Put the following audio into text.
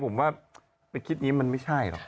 ผมว่าไปคิดนี้มันไม่ใช่หรอก